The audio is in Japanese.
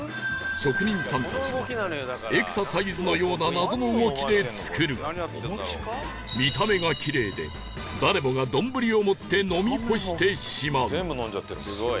職人さんたちがエクササイズのような謎の動きで作る見た目がキレイで誰もが丼を持って飲み干してしまう